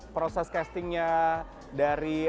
proses castingnya dari rara dan juga jordan